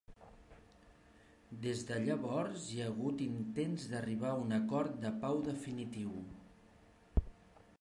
Des de llavors hi ha hagut intents d'arribar a un acord de pau definitiu.